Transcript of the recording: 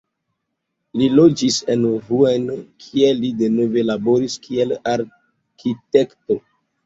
Li loĝis en Rouen, kie li denove laboris kiel arkitekto.